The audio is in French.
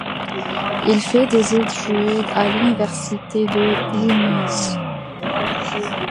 Il fait des études à l’Université de Vilnius.